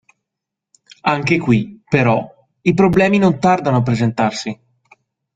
Anche qui, però, i problemi non tardano a presentarsi.